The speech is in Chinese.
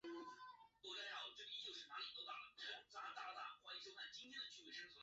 新西兰在射击项目上获得以下席位。